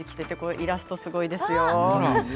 イラストすごいですよ。